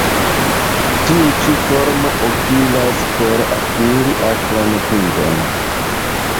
Tiu ĉi formo utilas por akiri akran pinton.